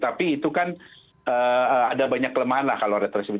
tapi itu kan ada banyak kelemahan lah kalau tersebut